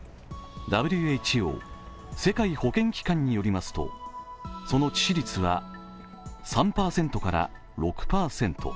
ＷＨＯ＝世界保健機関によりますと、その致死率は３％から６％。